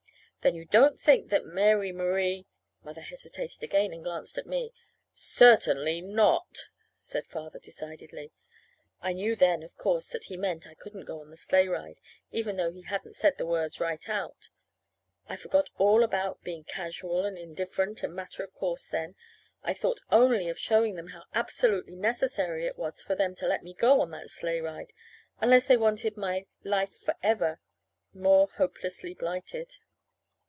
"Then you don't think that Mary Marie " Mother hesitated again, and glanced at me. "Certainly not," said Father decidedly. I knew then, of course, that he meant I couldn't go on the sleigh ride, even though he hadn't said the words right out. I forgot all about being casual and indifferent and matter of course then. I thought only of showing them how absolutely necessary it was for them to let me go on that sleigh ride, unless they wanted my life forever more hopelessly blighted.